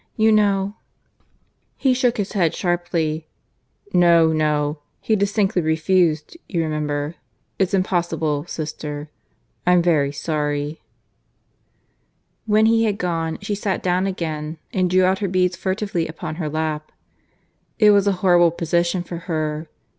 "You know " He shook his head sharply. "No, no. He distinctly refused, you remember. It's impossible, sister. ... I'm very sorry." When he had gone, she sat down again, and drew out her beads furtively upon her lap. It was a horrible position for her.